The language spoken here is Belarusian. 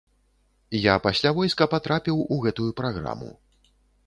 Я пасля войска патрапіў у гэтую праграму.